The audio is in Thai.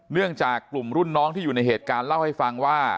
เนื่องจากกลุ่มรุ่นน้องที่อยู่ในเหตุการณ์เล่าให้ฟังว่า